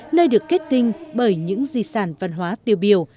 nơi được kết tinh bởi những di sản văn hóa tiêu biểu